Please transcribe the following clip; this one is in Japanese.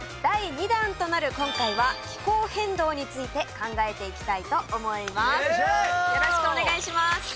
第２弾となる今回は気候変動について考えていきたいと思います。